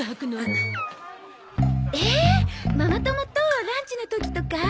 ええママ友とランチの時とか？